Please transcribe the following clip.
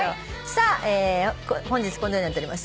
さあ本日このようになっております。